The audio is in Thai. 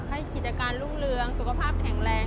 กิจการรุ่งเรืองสุขภาพแข็งแรง